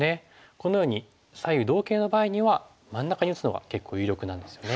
このように左右同形の場合には真ん中に打つのが結構有力なんですよね。